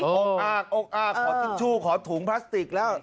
ออกอ้ากออกอ้ากขอซิทชุขอถุงพลาสติกแล้ว